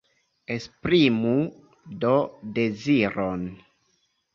Esprimu do deziron.